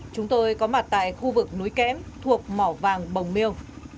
chúng tôi có mặt tại khu vực núi kém thuộc mỏ vàng bồng miêu